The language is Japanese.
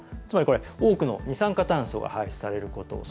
つまり、多くの二酸化炭素が排出されること。